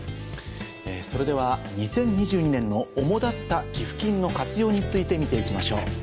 それでは２０２２年の主立った寄付金の活用について見ていきましょう。